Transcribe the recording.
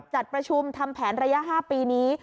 จัดประชุมทำแผนระยะ๕ปีนี้